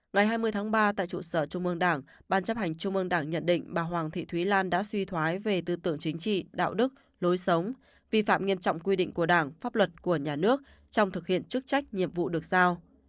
ngày hai mươi tháng ba tại trụ sở trung ương đảng ban chấp hành trung ương đảng nhận định bà hoàng thị thúy lan đã suy thoái về tư tưởng chính trị đạo đức lối sống vi phạm nghiêm trọng quy định của đảng pháp luật của nhà nước trong thực hiện chức trách nhiệm vụ được sao